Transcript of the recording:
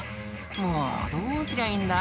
「もうどうすりゃいいんだ？